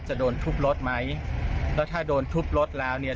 จะโดนทุบรถไหมแล้วถ้าโดนทุบรถแล้วเนี่ย